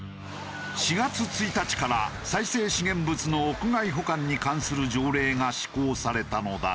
４月１日から再生資源物の屋外保管に関する条例が施行されたのだが